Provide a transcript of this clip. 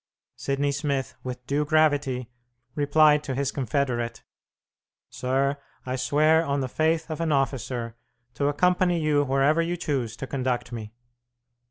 Sidney Smith, with due gravity, replied to his confederate. "Sir, I swear on the faith of an officer to accompany you wherever you choose to conduct me."